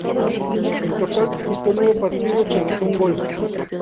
En total disputó nueve partidos y anotó un gol.